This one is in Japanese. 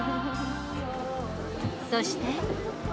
そして。